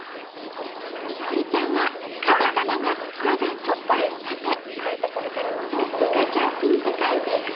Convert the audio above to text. みほりちゃんはカタカナがまだちょっと苦手。